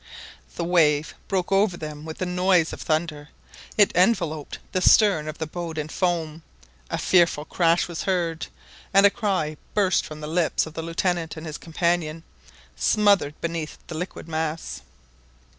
The wave broke over them with the noise of thunder; it enveloped the stern of the boat in foam, a fearful crash was heard, and a cry burst from the lips of the Lieutenant and his companion, smothered beneath the liquid mass.